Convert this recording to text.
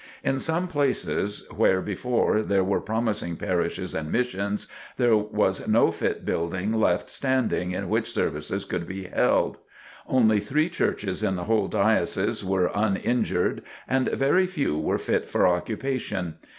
In some places, where before there were promising parishes and missions, there was no fit building left standing in which services could be held. Only three churches in the whole Diocese were uninjured and very few were fit for occupation.